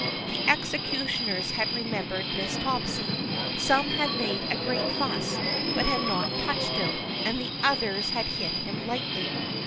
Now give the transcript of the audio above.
The executioners had remembered Miss Topsy ; some had made a great fuss but had not touched him, and the others had hit him lightly.